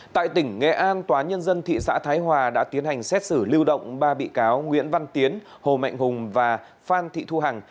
tại tỉnh nghệ an tòa nhân dân thị xã thái hòa đã tiến hành xét xử lưu động ba bị cáo nguyễn văn tiến hồ mạnh hùng và phan thị thu hằng